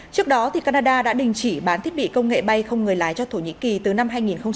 trước đó canada đã đình chỉ bán thiết bị công nghệ bay không người lái cho thổ nhĩ kỳ từ năm hai nghìn một mươi năm